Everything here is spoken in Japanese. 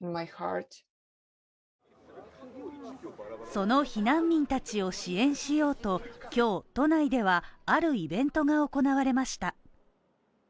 その避難民たちを支援しようと今日、都内ではあるイベントが行われました。